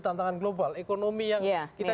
tantangan global ekonomi yang kita